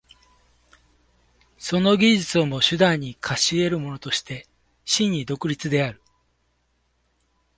その技術をも手段に化し得るものとして真に独立である。